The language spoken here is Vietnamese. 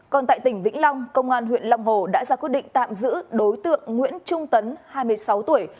còn tại tỉnh vĩnh long công an huyện long hồ đã ra quyết định tạm giữ đối tượng nguyễn trung tấn hai mươi sáu tuổi